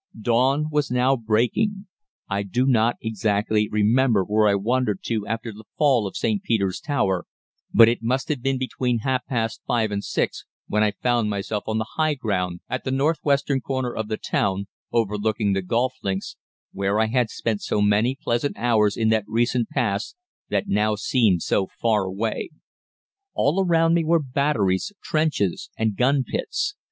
"Dawn was now breaking. I do not exactly remember where I wandered to after the fall of St. Peter's Tower, but it must have been between half past five and six when I found myself on the high ground at the north western corner of the town, overlooking the golf links, where I had spent so many pleasant hours in that recent past that now seemed so far away. All around me were batteries, trenches, and gun pits.